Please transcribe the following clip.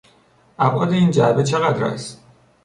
ابعاد این جعبه چقدر است؟